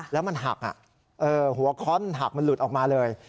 แล้วหักหัวคอนหักลุดออกมาเลย